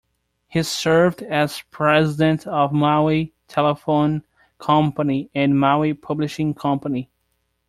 He served as president of Maui Telephone Company, and Maui Publishing Company.